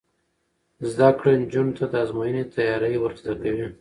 زده کړه نجونو ته د ازموینې تیاری ور زده کوي.